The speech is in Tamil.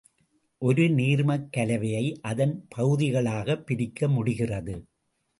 ஒரு நீர்மக் கலவையை அதன் பகுதிகளாகப் பிரிக்க முடிகிறது.